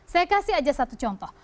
saya kasih aja satu contoh